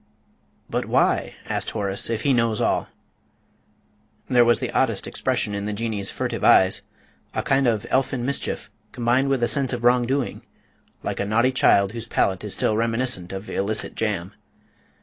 "But why?" asked Horace, "if he knows all?" There was the oddest expression in the Jinnee's furtive eyes: a kind of elfin mischief combined with a sense of wrong doing, like a naughty child whose palate is still reminiscent of illicit jam.